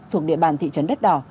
thuộc địa bàn thị trấn đất đỏ